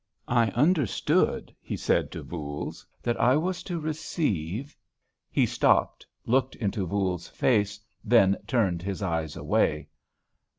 "I understood," he said to Voules, "that I was to receive"—he stopped, looked into Voules's face, then turned his eyes away.